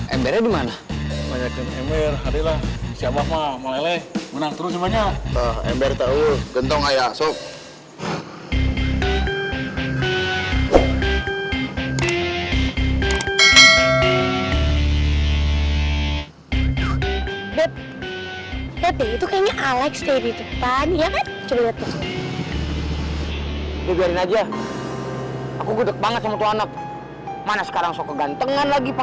embernya di mana